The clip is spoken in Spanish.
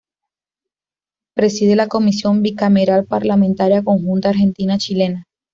Preside la Comisión Bicameral Parlamentaria Conjunta Argentina-Chilena.